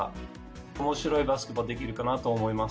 おもしろいバスケもできるかなと思います。